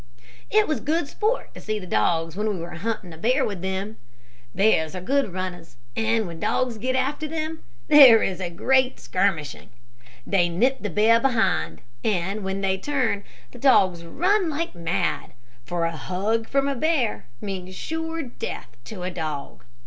"It was good sport to see the dogs when we were hunting a bear with them. Bears are good runners, and when dogs get after them, there is great skirmishing. They nip the bear behind, and when they turn, the dogs run like mad, for a hug from a bear means sure death to a dog.